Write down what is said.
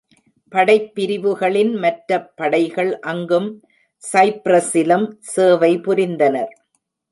படைப்பிரிவுகளின் மற்ற படைகள் அங்கும் சைப்ரஸிலும் சேவை புரிந்தனர்.